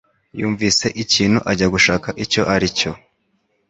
yumvise ikintu ajya gushaka icyo aricyo.